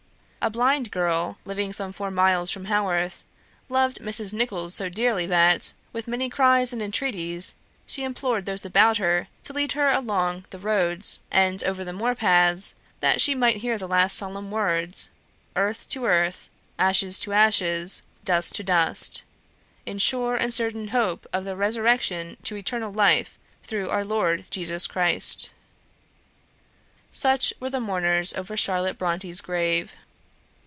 A blind girl, living some four miles from Haworth, loved Mrs. Nicholls so dearly that, with many cries and entreaties, she implored those about her to lead her along the roads, and over the moor paths, that she might hear the last solemn words, "Earth to earth, ashes to ashes, dust to dust; in sure and certain hope of the resurrection to eternal life, through our Lord Jesus Christ." Such were the mourners over Charlotte Brontë's grave.